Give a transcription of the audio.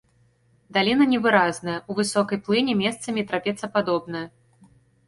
Даліна невыразная, у высокай плыні месцамі трапецападобная.